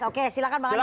oke silakan bang andi